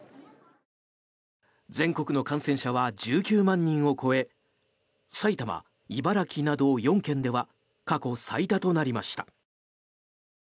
全国の感染者は１９万人を超え埼玉、茨城など４県では過去最多となりました。